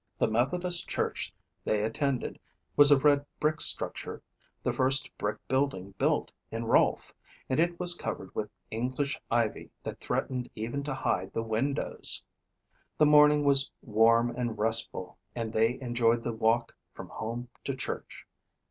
The Methodist church they attended was a red brick structure, the first brick building built in Rolfe, and it was covered with English ivy that threatened even to hide the windows. The morning was warm and restful and they enjoyed the walk from home to church.